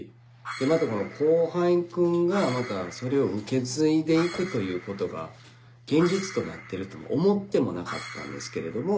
また後輩君がそれを受け継いで行くということが現実となってるとも思ってもなかったんですけれども。